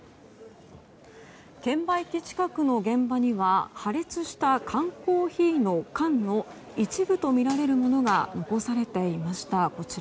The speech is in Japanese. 券売機近くの現場には破裂した缶コーヒーの缶の一部とみられるものが残されていました。